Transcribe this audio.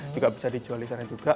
juga bisa dijual di sana juga